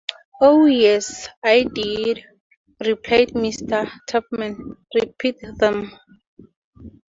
‘Oh, yes, I did!’ replied Mr. Tupman; ‘repeat them'.